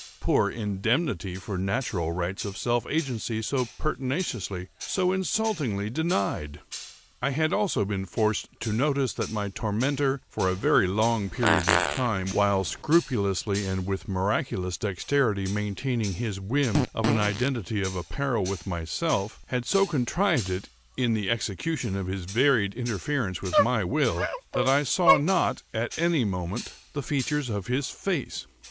Poor indemnity for natural rights of self agency so pertinaciously, so insultingly denied! I had also been forced to notice that my tormentor, for a very long period of time, (while scrupulously and with miraculous dexterity maintaining his whim of an identity of apparel with myself,) had so contrived it, in the execution of his varied interference with my will, that I saw not, at any moment, the features of his face.